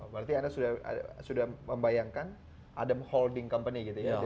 berarti anda sudah membayangkan ada holding company gitu ya